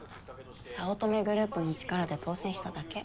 早乙女グループの力で当選しただけ。